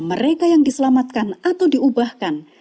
mereka yang diselamatkan atau diubahkan